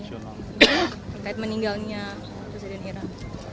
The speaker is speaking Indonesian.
terkait meninggalnya presiden ira